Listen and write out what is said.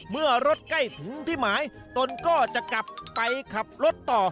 เมื่อรถใกล้ถึงที่หมายตนก็จะกลับไปขับรถต่อ